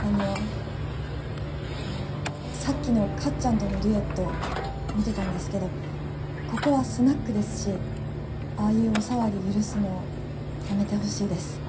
あのさっきのかっちゃんとのデュエット見てたんですけどここはスナックですしああいうお触り許すのやめてほしいです。